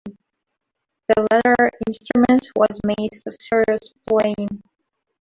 The latter instrument was made for serious playing.